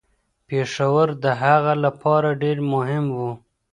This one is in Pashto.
پېښور د هغه لپاره ډیر مهم و.